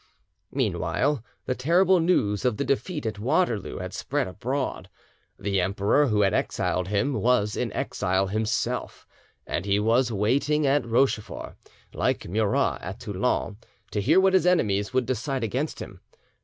Meanwhile the terrible news of the defeat at Waterloo had spread abroad. The Emperor who had exiled him was an exile himself, and he was waiting at Rochefort, like Murat at Toulon, to hear what his enemies would decide against him.